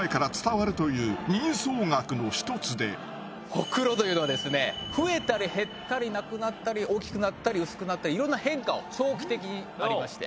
ホクロというのは増えたり減ったりなくなったり大きくなったり薄くなったりいろんな変化を長期的にありまして。